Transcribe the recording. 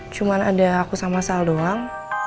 cuma ada aku sama sal doang